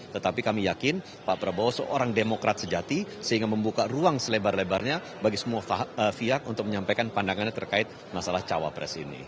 tetapi kami yakin pak prabowo seorang demokrat sejati sehingga membuka ruang selebar lebarnya bagi semua pihak untuk menyampaikan pandangannya terkait masalah cawapres ini